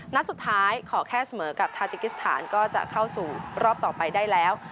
นัดสุดท้ายขอแค่เสมอกับทาจิกิสถานก็จะเข้าสู่รอบต่อไปได้แล้ว